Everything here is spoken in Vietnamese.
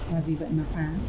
và vì vậy mà phá